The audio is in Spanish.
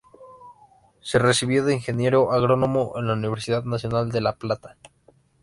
Se recibió de ingeniero agrónomo en la Universidad Nacional de La Plata.